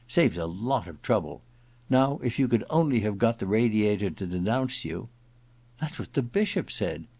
Saves a lot of trouble. Now if you could only have got the Radiator to denounce you '* That's what the Bishop said